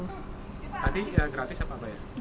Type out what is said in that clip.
tadi ya gratis apa apa ya